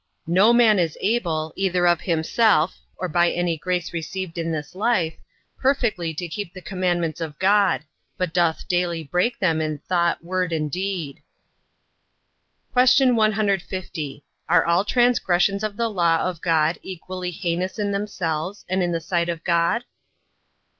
No man is able, either of himself, or by any grace received in this life, perfectly to keep the commandments of God; but doth daily break them in thought, word, and deed. Q. 150. Are all transgressions of the law of God equally heinous in themselves, and in the sight of God?